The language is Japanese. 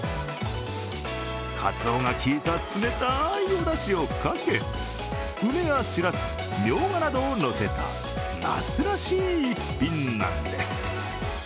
かつおがきいた冷たいおだしをかけ梅やしらす、みょうがなどをのせた夏らしい逸品なんです。